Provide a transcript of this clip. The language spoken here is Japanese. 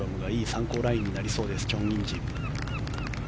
参考ラインになりそうです、チョン・インジ。